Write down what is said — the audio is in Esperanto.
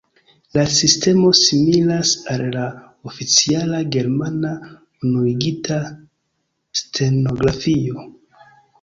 La sistemo similas al la oficiala Germana Unuigita Stenografio.